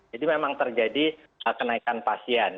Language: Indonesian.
jadi memang terjadi kenaikan pasien